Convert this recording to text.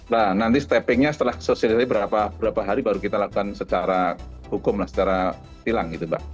nah nanti steppingnya setelah sosialisasi berapa hari baru kita lakukan secara hukum lah secara tilang gitu mbak